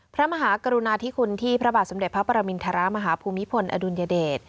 พระมหากรุณาธิคุณที่พระบาทสมเด็จพระปรมินทรมาฮภูมิพลอดุลยเดช